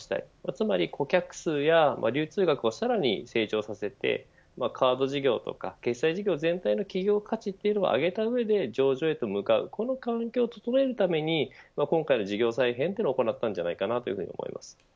つまり顧客数や流通額をさらに成長させてカード事業とか決済事業全体の企業価値とういうのを上げたうえで上場へと向かう、この環境を整えるために今回の事業再編を行ったのでないかと思います。